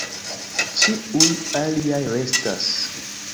Ĉiuj aliaj restas.